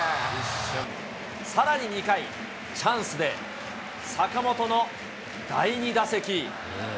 さらに２回、チャンスで坂本の第２打席。